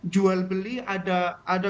jual beli ada